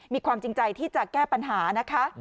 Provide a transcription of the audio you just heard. มีความจริงใจที่จะแก้ปัญหานะคะ